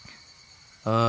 ああ。